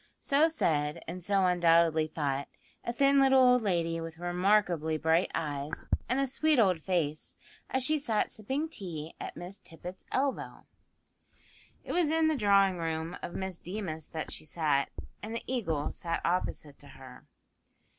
So said, and so undoubtedly thought, a thin little old lady with remarkably bright eyes, and a sweet old face, as she sat sipping tea at Miss Tippet's elbow. It was in the drawing room of Miss Deemas that she sat, and the Eagle sat opposite to her.